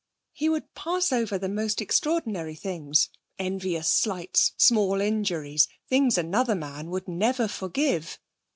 He would pass over the most extraordinary things envious slights, small injuries, things another man would never forgive.